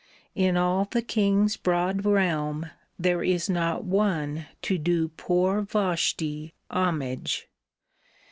In all the king's broad realm there is not one To do poor Vashti homage.